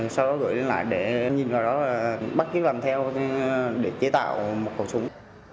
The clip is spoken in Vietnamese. sau đó gửi lên lại để nhìn vào đó và bắt kiếm làm theo để chế tạo một khẩu súng